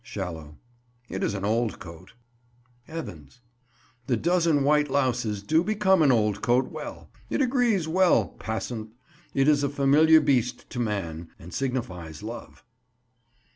Shallow. It is an old coat. Evans. The dozen white louses do become an old coat well; it agrees well, passant; it is a familiar beast to man, and signifies love.